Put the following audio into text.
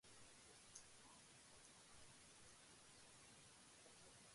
There are several problems with that view.